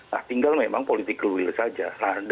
nah tinggal memang politik clear saja